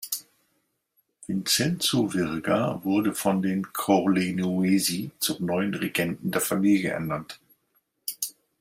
Vincenzo Virga wurde von den Corleonesi zum neuen Regenten der Familie ernannt.